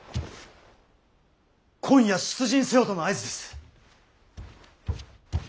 今夜出陣せよとの合図です。